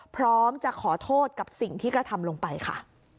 พร้อมจะขอโทษกับสิ่งที่กระทำลงไปค่ะ